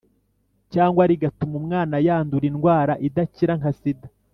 cyangwa rigatuma umwana yandura indwara idakira nka sida,